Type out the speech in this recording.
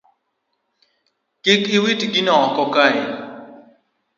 Kik iwit gino oko kae